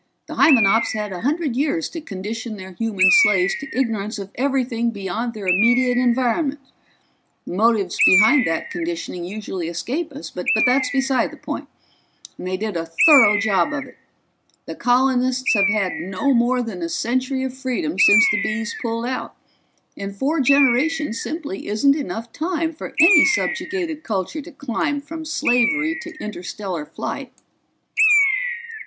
The Hymenops had a hundred years to condition their human slaves to ignorance of everything beyond their immediate environment the motives behind that conditioning usually escape us, but that's beside the point and they did a thorough job of it. The colonists have had no more than a century of freedom since the Bees pulled out, and four generations simply isn't enough time for any subjugated culture to climb from slavery to interstellar flight."